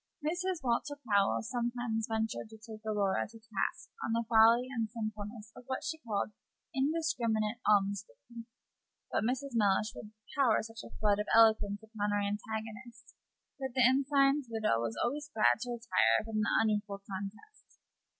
Mrs. Walter Powell sometimes ventured to take Aurora to task on the folly and sinfulness of what she called indiscriminate almsgiving; but Mrs. Mellish would pour such a flood of eloquence upon her antagonist that the ensign's widow was always glad to retire from the unequal contest.